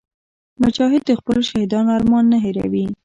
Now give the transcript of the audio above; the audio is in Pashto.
مجاهد د خپلو شهیدانو ارمان نه هېروي.